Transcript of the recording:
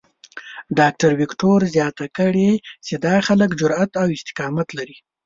ډاکټر وېکټور زیاته کړې چې دا خلک جرات او استقامت لري.